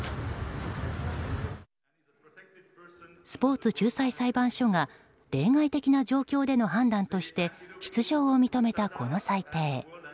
スポーツ仲裁裁判所が例外的な状況での判断として出場を認めた、この裁定。